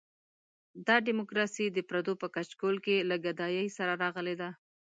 دا ډیموکراسي د پردو په کچکول کې له ګدایۍ سره راغلې ده.